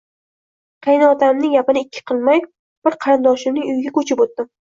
Qaynotamning gapini ikki qilmay, bir qarindoshimning uyiga ko`chib o`tdim